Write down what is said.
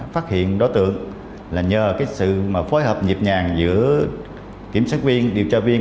phát hiện đối tượng là nhờ sự phối hợp nhịp nhàng giữa kiểm soát viên điều tra viên